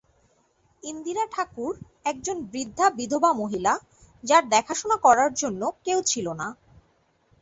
ইন্দিরা ঠাকুর, একজন বৃদ্ধা বিধবা মহিলা, যার দেখাশোনা করার জন্য কেউ ছিল না।